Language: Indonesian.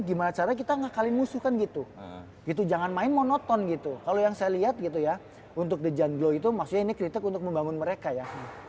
gitu kalau yang saya lihat gitu ya untuk dijangkau itu maksudnya ini kritik untuk membangun mereka ya